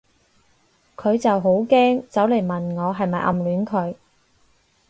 佢就好驚走嚟問我係咪暗戀佢